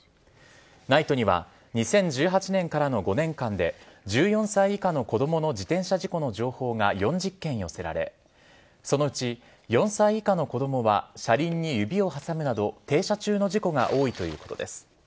ＮＩＴＥには２０１８年からの５年間で１４歳以下の子供の自転車事故の情報が４０件寄せられそのうち、４歳以下の子供は車輪に指を挟むなど停車中の事故が多いということです。